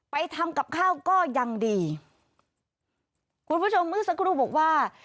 ไปทำกับข้าวก็ยังดีคุณผู้ชมเมื่อสักครู่บอกว่า